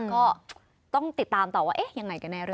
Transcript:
ก็ต้องติดตามต่อว่าเอ๊ะอย่างไรกันแน่เรื่องนี้